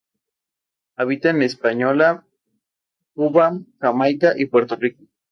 Habita en La Española, Cuba, Jamaica y Puerto Rico.